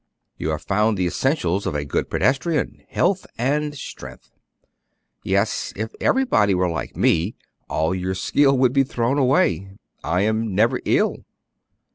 "You have found the essentials of a good pedestrian, health and strength." "Yes; if everybody were like me, all your skill would be thrown away, I am never ill."